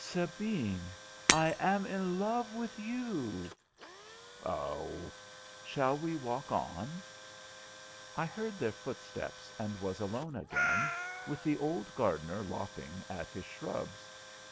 Sabine, I am in love with you." "Oh! Shall we walk on?" I heard their footsteps, and was alone again, with the old gardener lopping at his shrubs.